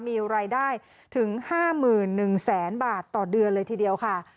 มีรายได้ถึง๕๑แสนบาทต่อเดือนเลยทีเดียวค่ะ